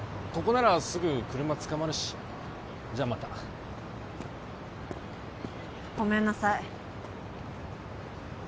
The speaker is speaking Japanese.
ここならすぐ車つかまるしじゃあまたごめんなさい